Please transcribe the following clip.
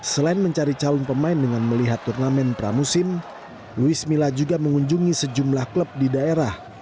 selain mencari calon pemain dengan melihat turnamen pramusim luis mila juga mengunjungi sejumlah klub di daerah